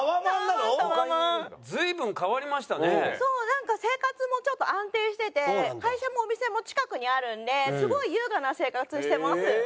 なんか生活もちょっと安定してて会社もお店も近くにあるんですごい優雅な生活してます。